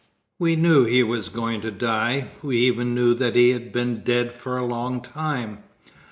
We knew he was going to die. We even knew that he had been dead for a long time.